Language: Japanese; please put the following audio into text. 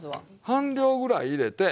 半量ぐらい入れてね